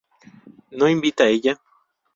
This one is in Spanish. ¿No invita ella?